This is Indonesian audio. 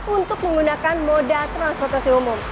untuk menggunakan moda transportasi umum